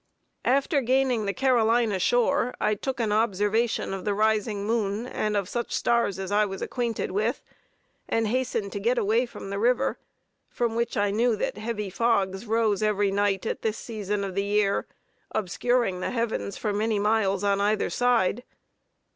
After gaining the Carolina shore, I took an observation of the rising moon and of such stars as I was acquainted with, and hastened to get away from the river, from which I knew that heavy fogs rose every night, at this season of the year, obscuring the heavens for many miles on either side.